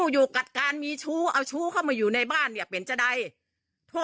อยู่กับการมีชู้เอาชู้เข้ามาอยู่ในบ้านเนี่ยเป็นจะได้โทษ